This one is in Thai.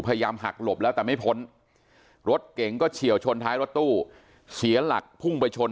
พยายามหักหลบแล้วแต่ไม่พ้นรถเก๋งก็เฉียวชนท้ายรถตู้เสียหลักพุ่งไปชน